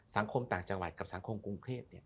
สังคมต่างจังหวัดกับสังคมกรุงเทพ